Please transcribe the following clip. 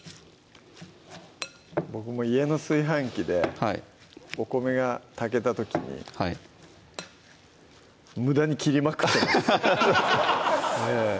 僕も家の炊飯器でお米が炊けた時にむだに切りまくってます